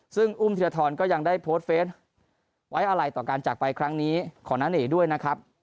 ซึ่งอุ้มธีรทรก็ยังได้โพสต์เฟสไว้อะไรต่อการจากไปครั้งนี้ของน้าเน่ด้วยนะครับ